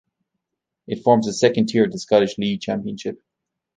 It forms the second tier of the Scottish League Championship.